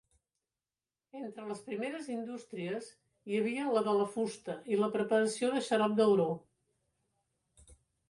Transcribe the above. Entre les primeres industries hi havia la de la fusta i la preparació de xarop d"auró.